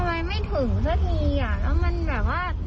ดูเป็นสิถ้าตามมาดูได้